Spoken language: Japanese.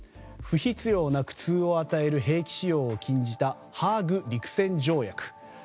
不必要な苦痛を与える兵器使用を禁じたハーグ陸戦条約。